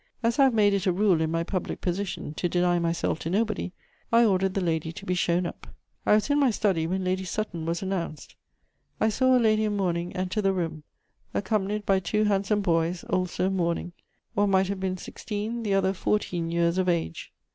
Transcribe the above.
As I have made it a rule, in my public position, to deny myself to nobody, I ordered the lady to be shown up. [Sidenote: Lady Sutton.] I was in my study, when Lady Sutton was announced; I saw a lady in mourning enter the room, accompanied by two handsome boys also in mourning: one might have been sixteen, the other fourteen years of age.